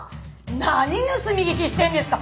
何盗み聞きしてるんですか！